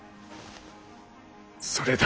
それだ。